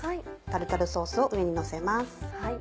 タルタルソースを上にのせます。